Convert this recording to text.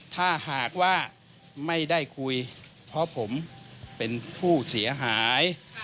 ถ้าหากว่าไม่ได้คุยเพราะผมเป็นผู้เสียหาย